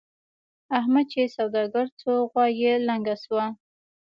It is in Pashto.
احمد چې سوداګر شو؛ غوا يې لنګه شوه.